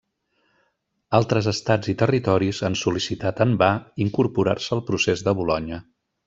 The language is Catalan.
Altres estats i territoris han sol·licitat en va incorporar-se al Procés de Bolonya.